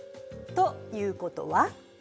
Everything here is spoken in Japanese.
ということは？